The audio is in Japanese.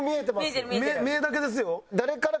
目だけですよ。